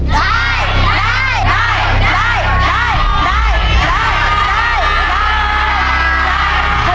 ได้